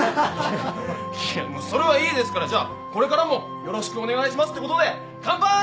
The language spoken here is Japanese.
いやもうそれはいいですからじゃこれからもよろしくお願いしますってことで乾杯。